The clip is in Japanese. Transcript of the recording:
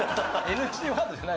ＮＧワードじゃない。